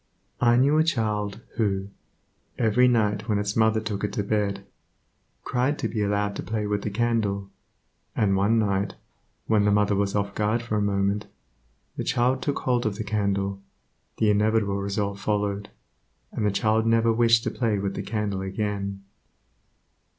I knew a child who, every night when its mother took it to bed, cried to be allowed to play with the candle; and one night, when the mother was off guard for a moment, the child took hold of the candle; the inevitable result followed, and the child never wished to play with the candle again.